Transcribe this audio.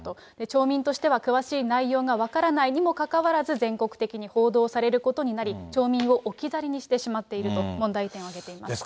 町民としては、詳しい内容が分からないにもかかわらず、全国的に報道されることになり、町民を置き去りにしてしまっていると、問題点を挙げています。